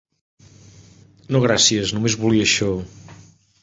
No, gràcies, només volia això.